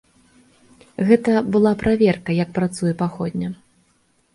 Гэта была праверка, як працуе паходня.